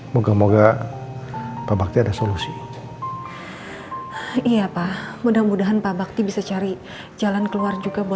bapak masih kerja sayang